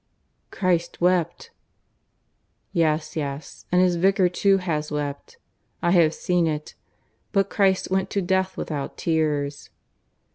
"Christ wept." "Yes, yes, and his Vicar too has wept. I have seen it. But Christ went to death without tears."